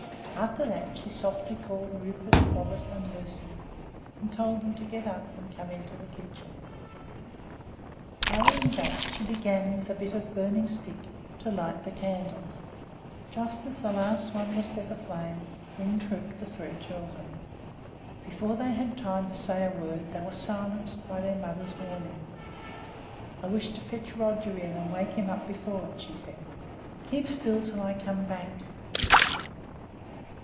After that she softly called Rupert, Robert and Lucy, and told them to get up and come into the kitchen. Hurrying back, she began, with a bit of a burning stick, to light the candles. Just as the last one was set aflame, in trooped the three children. Before they had time to say a word, they were silenced by their mother's warning. "I wish to fetch Roger in and wake him up before it," she said. "Keep still until I come back!"